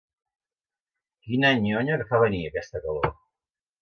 Quina nyonya que fa venir, aquesta calor!